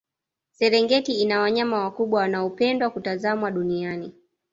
serengeti ina wanyama wakubwa wanaopendwa kutazamwa duniani